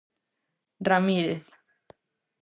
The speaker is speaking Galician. Ramírez.